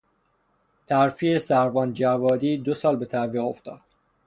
ترفیع سروان جوادی دو سال به تعویق افتاد.